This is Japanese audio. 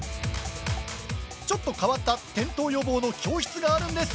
ちょっと変わった転倒予防の教室があるんです。